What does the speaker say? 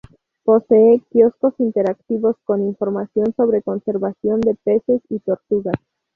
Posee quioscos interactivos con información sobre conservación de peces y tortugas.